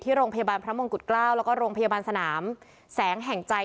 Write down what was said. โรงพยาบาลพระมงกุฎเกล้าแล้วก็โรงพยาบาลสนามแสงแห่งใจ